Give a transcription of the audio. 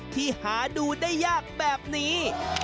ที่หาดูได้ยากแบบนี้